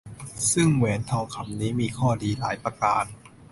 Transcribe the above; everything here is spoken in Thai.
ซึ่งแหวนทองคำนี้มีข้อดีหลายประการ